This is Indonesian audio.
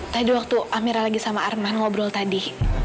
tadi waktu amira lagi sama arman ngobrol tadi